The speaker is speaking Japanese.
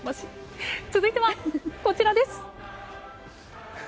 続いては、こちらです。